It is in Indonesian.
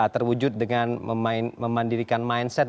terwujud dengan memandirikan mindset